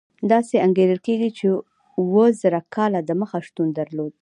داسې انګېرل کېږي چې اوه زره کاله دمخه شتون درلود.